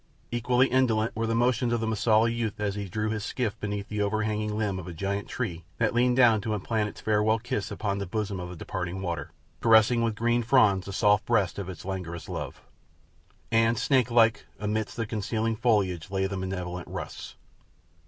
Equally indolent were the motions of the Mosula youth as he drew his skiff beneath an overhanging limb of a great tree that leaned down to implant a farewell kiss upon the bosom of the departing water, caressing with green fronds the soft breast of its languorous love. And, snake like, amidst the concealing foliage lay the malevolent Russ.